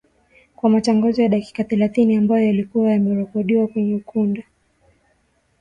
kwa matangazo ya dakika thelathini ambayo yalikuwa yamerekodiwa kwenye ukanda